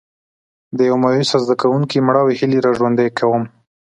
د یو مایوسه زده کوونکي مړاوې هیلې را ژوندي کوم.